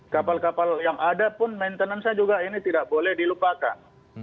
kapal kapal yang ada pun maintenance nya juga ini tidak boleh dilupakan